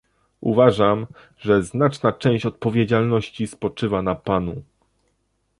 Uważam, że znaczna część odpowiedzialności spoczywa na panu